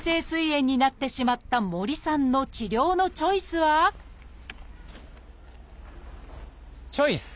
炎になってしまった森さんの治療のチョイスはチョイス！